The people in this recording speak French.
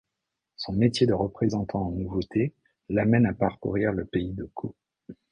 Son métier de représentant en nouveautés l'amène à parcourir le Pays de Caux.